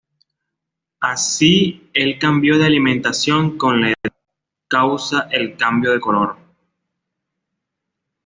Así el cambio de la alimentación con la edad causa el cambio de color.